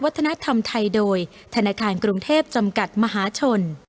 วัฒนธรรมไทยโดยธนาคารกรุงเทพจำกัดมหาชน